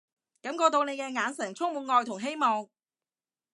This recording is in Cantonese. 感覺到你嘅眼神充滿愛同希望